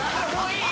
いい。